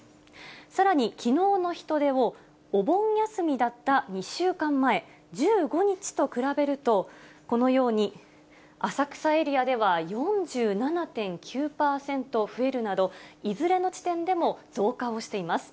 さらに、きのうの人出をお盆休みだった２週間前、１５日と比べると、このように、浅草エリアでは４７．９％増えるなど、いずれの地点でも増加をしています。